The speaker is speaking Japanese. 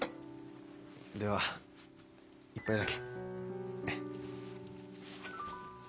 では一杯だけ。